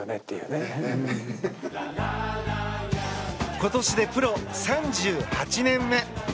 今年でプロ３８年目。